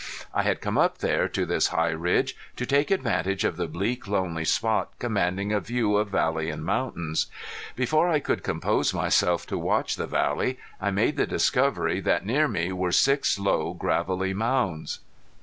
I had come up there to this high ridge to take advantage of the bleak lonely spot commanding a view of valley and mountains. Before I could compose myself to watch the valley I made the discovery that near me were six low gravelly mounds.